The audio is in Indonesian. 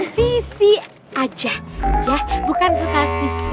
sisi aja ya bukan sukasih